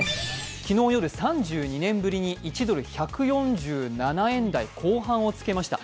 昨日夜、３２年ぶりに１ドル＝１４７円台後半をつけました。